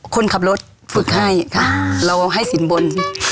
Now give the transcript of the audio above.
คนขับรถฝึกให้เราให้สินบน